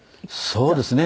そうですね。